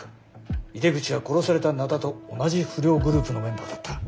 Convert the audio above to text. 井出口は殺された灘と同じ不良グループのメンバーだった。